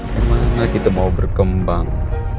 kemana kita mau berkembang